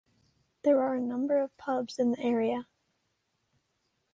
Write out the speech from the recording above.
There are a number of pubs in the area.